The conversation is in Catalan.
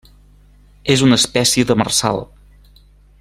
És una espècie demersal.